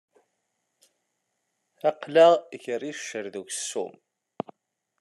Aql-aɣ ger iccer d uksum